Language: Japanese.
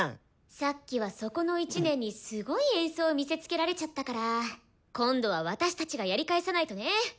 さっきはそこの１年にすごい演奏見せつけられちゃったから今度は私たちがやり返さないとね！